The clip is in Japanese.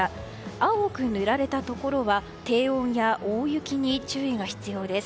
青く塗られたところは低温や大雪に注意が必要です。